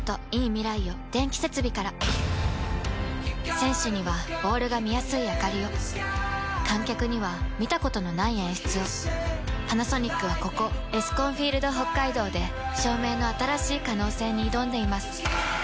選手にはボールが見やすいあかりを観客には見たことのない演出をパナソニックはここエスコンフィールドＨＯＫＫＡＩＤＯで照明の新しい可能性に挑んでいます